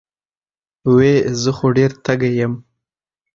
وې زۀ خو ډېر تږے يم